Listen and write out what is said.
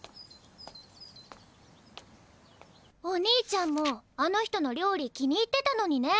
お兄ちゃんもあの人のりょうり気に入ってたのにね。